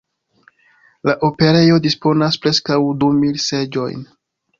La operejo disponas preskaŭ du mil seĝojn.